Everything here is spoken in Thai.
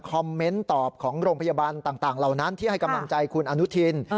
เมนต์ตอบของโรงพยาบาลต่างเหล่านั้นที่ให้กำลังใจคุณอนุทิน